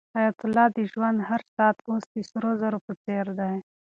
حیات الله ته د ژوند هر ساعت اوس د سرو زرو په څېر دی.